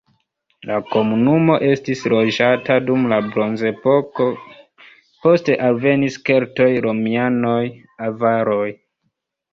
La komunumo estis loĝata dum la bronzepoko, poste alvenis keltoj, romianoj, avaroj.